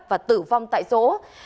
và tử vong tại số